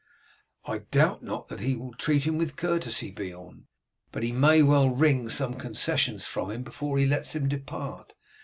"I doubt not that he will treat him with courtesy, Beorn, but he may well wring some concessions from him before he lets him depart.